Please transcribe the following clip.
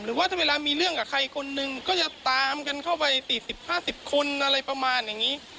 หรือว่าถ้าเวลามีเรื่องกับใครคนนึงก็จะตามกันเข้าไป๔๐๕๐คนอะไรประมาณอย่างนี้